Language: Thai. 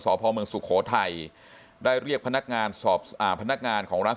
สอบภาวเมืองสุโขไทยได้เรียกพนักงานสอบพนักงานของร้าน